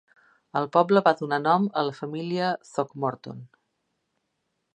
El poble va donar nom a la família Throckmorton.